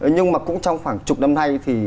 nhưng mà cũng trong khoảng chục năm nay thì